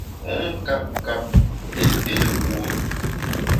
Wu nkap kap, mbé pé wuo ?